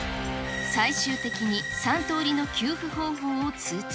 最終的に、３通りの給付方法を通知。